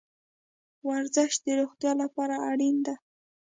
ورزش د روغتیا لپاره اړین ده